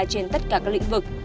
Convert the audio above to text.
trên tất cả các lĩnh vực